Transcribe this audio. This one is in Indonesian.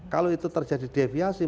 kalau itu terjadi deviasi